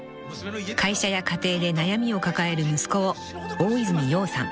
［会社や家庭で悩みを抱える息子を大泉洋さん］